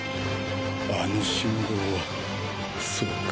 あの信号はそうか。